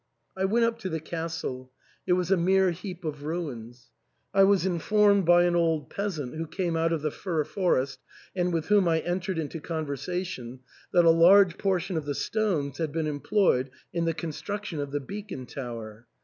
.1 went up to the castle ; it was a mere heap of ruins. I was informed by an old peasant, who came out of the fir forest, and with whom I entered into conversation, that a large portion of the stones had been employed in the construction of the beacon tower.